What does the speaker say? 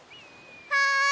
はい！